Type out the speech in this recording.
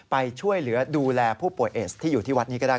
ไปช่วยเหลือดูแลผู้ป่วยเอสที่อยู่ที่วัดนี้ก็ได้